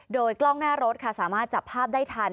โดยกล้องหน้ารถค่ะสามารถจับภาพได้ทัน